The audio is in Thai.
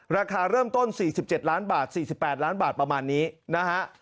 ราคาเริ่มต้น๔๗ล้านบาท๔๘ล้านบาทประมาณนี้นะฮะ